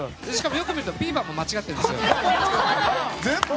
よく見ると「ＢＥＡＶＲ」も間違ってるんですね。